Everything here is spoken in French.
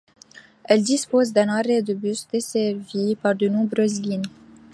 Elle dispose d'un arrêt de bus desservi par de nombreuses lignes.